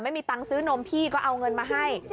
ไม่มีตังค์ซื้อนมพี่ก็เอาเงินมาให้